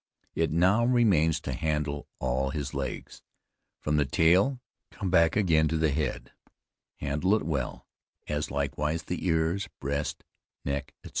It now remains to handle all his legs. From the tail come back again to the head, handle it well, as likewise the ears, breast, neck, etc.